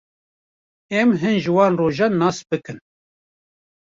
Em hin ji wan rojan nas bikin.